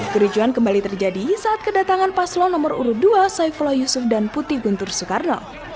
kericuan kembali terjadi saat kedatangan paslon nomor urut dua saifullah yusuf dan putih guntur soekarno